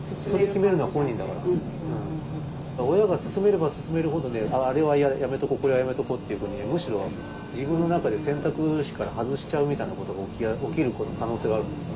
親が勧めれば勧めるほどあれはやめとこうこれはやめとこうっていうふうにむしろ自分の中で選択肢から外しちゃうみたいなことが起きる可能性があるんですよね。